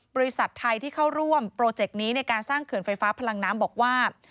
บริษัทไทยที่เข้าร่วมโปรเจกต์นี้ในการสร้างเขื่อนไฟฟ้าพลังน้ำบอกว่า